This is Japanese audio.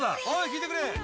おい聞いてくれ」